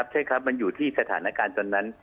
ใช่ครับมันอยู่ที่สถานการณ์ตอนนั้น